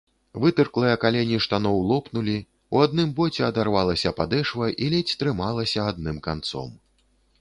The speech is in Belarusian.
Вытырклыя калені штаноў лопнулі, у адным боце адарвалася падэшва і ледзь трымалася адным канцом.